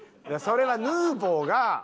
それはヌーボーが。